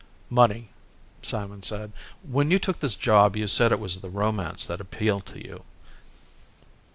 "Money," Simon said. "When you took this job you said it was the romance that appealed to you."